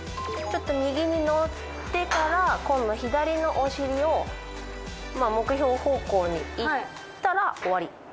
ちょっと右に乗ってから今度左のお尻を目標方向にいったら終わり。